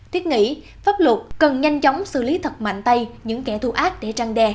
thiết nghĩ pháp luật cần nhanh chóng xử lý thật mạnh tay những kẻ thù ác để trăng đe